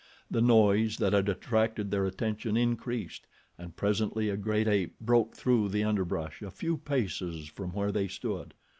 The noise that had attracted their attention increased, and presently a great ape broke through the underbrush a few paces from where they stood.